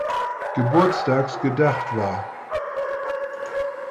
Geburtstags gedacht war.